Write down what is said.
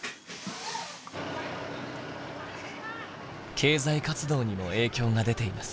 経済活動にも影響が出ています。